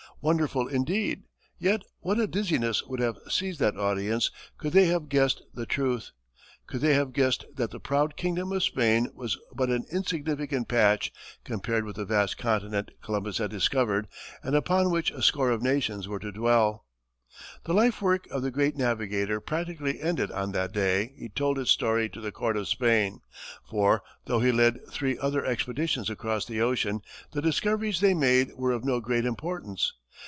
Wonderful indeed! Yet what a dizziness would have seized that audience could they have guessed the truth! Could they have guessed that the proud kingdom of Spain was but an insignificant patch compared with the vast continent Columbus had discovered and upon which a score of nations were to dwell. The life work of the great navigator practically ended on the day he told his story to the court of Spain, for, though he led three other expeditions across the ocean, the discoveries they made were of no great importance.